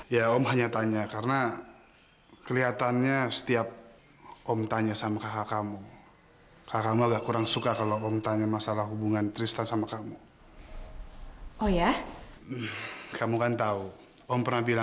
sampai jumpa di video selanjutnya